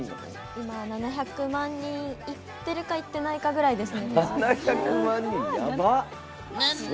今、７００万人いってるかいってないかぐらいです。